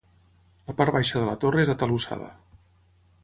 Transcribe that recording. La part baixa de la torre és atalussada.